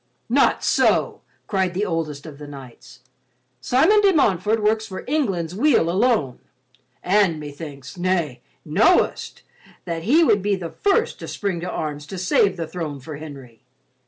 "Not so," cried the oldest of the knights. "Simon de Montfort works for England's weal alone—and methinks, nay know, that he would be first to spring to arms to save the throne for Henry.